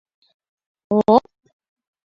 О-оп!